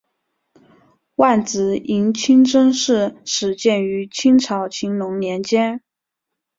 万子营清真寺始建于清朝乾隆年间。